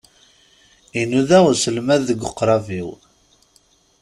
Inuda uselmad deg uqrab-iw.